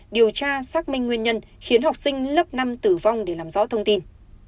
điều tra xác minh nguyên nhân khiến học sinh lớp năm tử vong để làm rõ thông tin